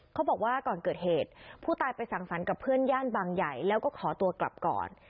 เขาบอกว่าก่อนเกิดเหตุผู้ตายไปสั่งสรรค์กับเพื่อนย่านบางใหญ่แล้วก็ขอตัวกลับก่อน